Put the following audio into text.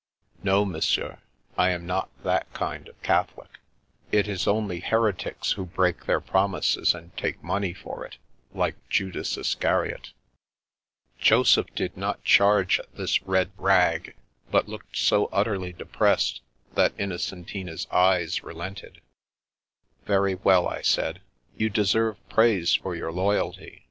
" No, Monsieur. I am not that kind of Catholic. 3i6 The Princess Passes It is only heretics who break their promises, and take money for it — ^like Judas Iscariot." Joseph did not charge at this red rag, but looked so utterly depressed that Innocentina's eyes re lented. " Very well/' I said. " You deserve praise for your loyalty.